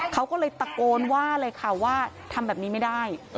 เขาก็เลยตะโกนว่าเลยค่ะว่าทำแบบนี้ไม่ได้